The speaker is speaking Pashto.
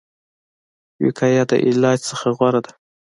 وقایه د علاج نه غوره ده